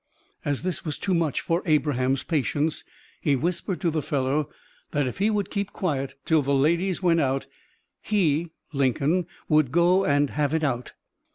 As this was too much for Abraham's patience, he whispered to the fellow that if he would keep quiet till the ladies went out, he (Lincoln) would go and "have it out."